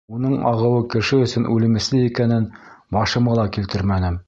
Уның ағыуы кеше өсөн үлемесле икәнен башыма ла килтермәнем.